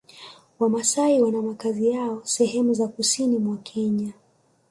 Wamasai wana makazi yao sehemu za Kusini mwa Kenya